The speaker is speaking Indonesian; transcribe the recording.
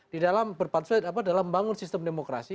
di dalam membangun sistem demokrasi